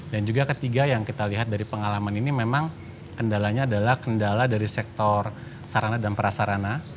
dan juga ketiga yang kita lihat dari pengalaman ini memang kendalanya adalah kendala dari sektor sarana dan prasarana